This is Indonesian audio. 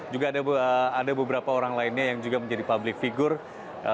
juga ada beberapa orang lainnya yang juga menjadi public figure